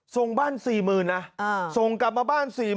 ส่งบ้าน๔๐๐๐นะส่งกลับมาบ้าน๔๐๐๐